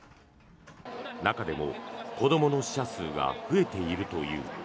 中でも子どもの死者数が増えているという。